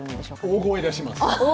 大声を出します。